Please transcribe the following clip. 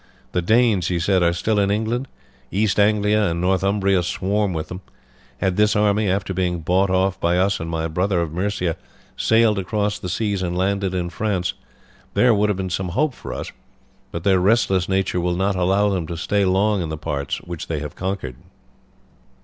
"The Danes," he said, "are still in England. East Anglia and Northumbria swarm with them. Had this army, after being bought off by us and my brother of Mercia, sailed across the seas and landed in France there would have been some hope for us, but their restless nature will not allow them to stay long in the parts which they have conquered.